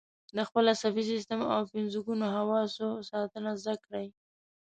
د خپل عصبي سیستم او پنځه ګونو حواسو ساتنه زده کړئ.